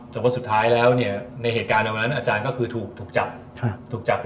แต่ว่าสุดท้ายแล้วเนี่ยในเหตุการณ์ดังนั้นอาจารย์ก็คือถูกจับถูกจับไป